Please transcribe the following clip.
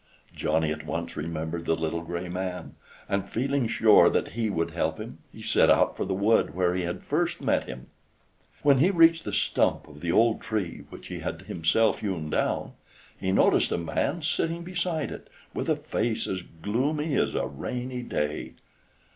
Johnny at once remembered the little gray man, and, feeling sure that he would help him, he set out for the wood where he had first met him. When he reached the stump of the old tree which he had himself hewn down, he noticed a man sitting beside it, with a face as gloomy as a rainy day.